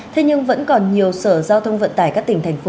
thế nhưng vẫn còn nhiều sở giao thông vận tải các tỉnh thành phố